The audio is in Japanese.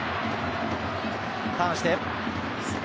ターンして。